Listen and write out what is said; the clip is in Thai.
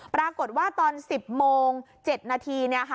ปรากฏว่าตอน๑๐โมง๗นาที